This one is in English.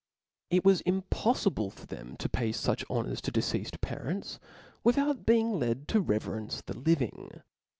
It was impoffible for them to pay fuch honors to dece^fed parents, without being led to reverence the living.